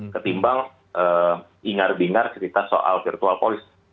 ketimbang ingar ingar cerita soal virtual polis